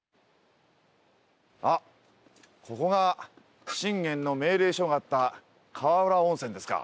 あっここが信玄の命令書があった川浦温泉ですか。